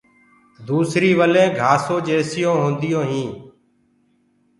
دوسري ولينٚ گھاسو جيسونٚ هونديو هينٚ۔